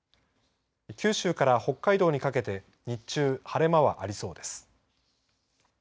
九州から北海道にかけて日中晴れ間はありそうです。